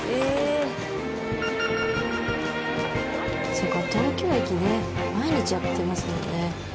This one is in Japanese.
そうか東京駅ね毎日やってますもんね。